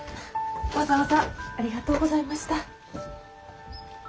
わざわざありがとうございました。